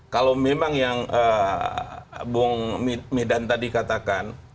kalau memang yang bung medan tadi katakan